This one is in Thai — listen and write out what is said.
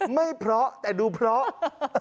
ไม่เพราะแต่ดูเพราะ